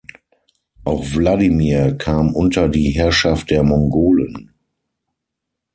Auch Wladimir kam unter die Herrschaft der Mongolen.